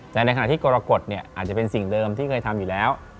แต่ในขณะที่กรกฎอาจจะเป็นสิ่งเดิมที่เคยทำอยู่แล้ว